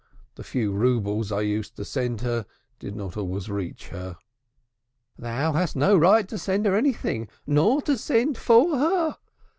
The few roubles I used to send her did not always reach her." "Thou hadst no right to send her anything, nor to send for her.